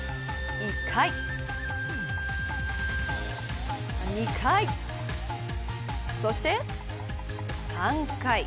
１回、２回そして３回。